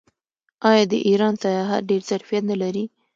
آیا د ایران سیاحت ډیر ظرفیت نلري؟